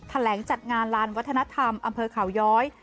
แหลงจัดงานลานวัฒนธรรมอำเภอเขาย้อย